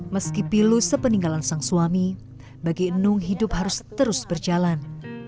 meski pilu sepeninggalan sang suami bagi enung hidup harus terus berjalan